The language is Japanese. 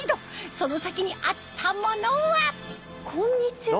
その先にあったものはこんにちは。